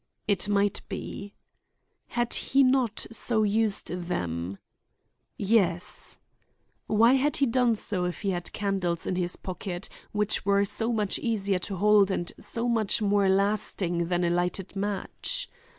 It might be. Had he not so used them? Yes. Why had he done so, if he had candles in his pocket, which were so much easier to hold and so much more lasting than a lighted match?